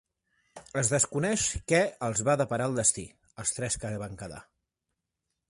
Es desconeix què els va deparar el destí als tres que van quedar.